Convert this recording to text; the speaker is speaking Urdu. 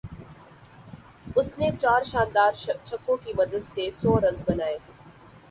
اس نے چار شاندار چھکوں کی مدد سے سو رنز بنائے